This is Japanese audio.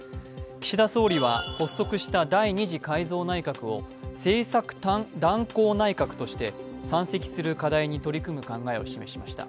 岸田総理は発足した第２次改造内閣を政策断行内閣として山積する課題に取り組む考えを示しました。